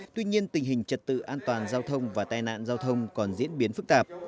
tuy nhiên tình hình trật tự an toàn giao thông và tai nạn giao thông còn diễn biến phức tạp